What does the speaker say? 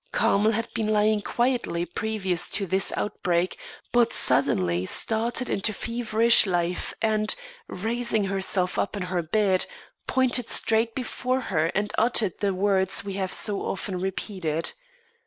Carmel had been lying quietly previous to this outbreak, but suddenly started into feverish life and, raising herself up in her bed, pointed straight before her and uttered the words we have so often repeated.